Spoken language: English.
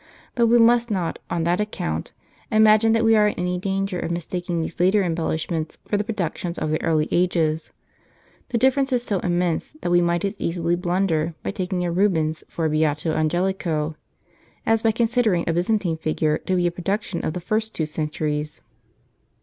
But we must not, on that account, imagine that we are in any danger of mistak ing these later embellishments for the productions of the early ages. The difference is so immense that we might as easily blunder by taking a Rubens for a Beato Angelico, as by con sidering a Byzantine figure to be a production of the two first centuries.